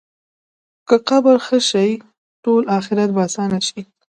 که قبر ښه شي، ټول آخرت به اسان شي.